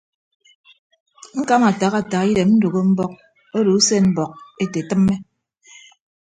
Ñkama ataha ataha idem ndәgho mbọk odo usen mbọk ete tịmme.